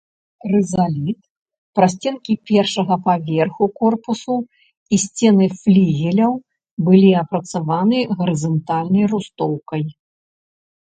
Рызаліт, прасценкі першага паверху корпусу і сцены флігеляў былі апрацаваны гарызантальнай рустоўкай.